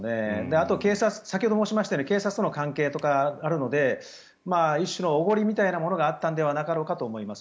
あと、先ほど申しましたように警察との関係とかもあるので一種のおごりみたいなものがあったのではなかろうかと思います。